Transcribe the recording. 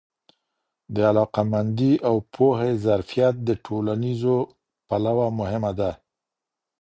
د علاقه مندي او پوهه ظرفیت د ټولنیزو پلوه مهم دی.